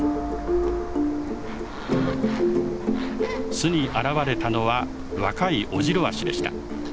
巣に現れたのは若いオジロワシでした。